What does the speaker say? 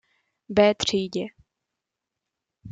B třídě.